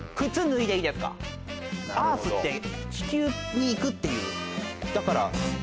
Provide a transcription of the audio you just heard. アースって地球に行くっていうだから。